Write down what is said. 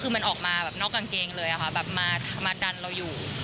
คือมันออกมาแบบนอกกางเกงเลยค่ะแบบมาดันเราอยู่